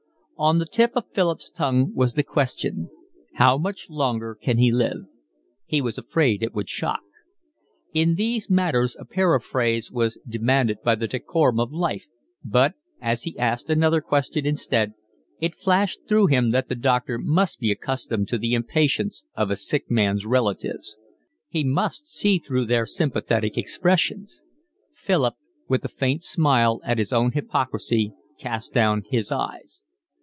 On the tip of Philip's tongue was the question: how much longer can he live? He was afraid it would shock. In these matters a periphrase was demanded by the decorum of life, but, as he asked another question instead, it flashed through him that the doctor must be accustomed to the impatience of a sick man's relatives. He must see through their sympathetic expressions. Philip, with a faint smile at his own hypocrisy, cast down his eyes.